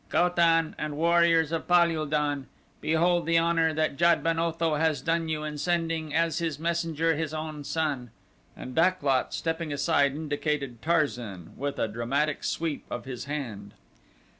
"Ko tan and warriors of Pal ul don! Behold the honor that Jad ben Otho has done you in sending as his messenger his own son," and Dak lot, stepping aside, indicated Tarzan with a dramatic sweep of his hand.